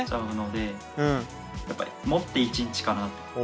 やっぱりもって１日かな。